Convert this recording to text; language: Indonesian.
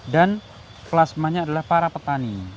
dan plasmanya adalah para petani